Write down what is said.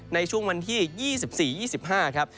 ในช่วงวันที่๒๔๒๕ครับ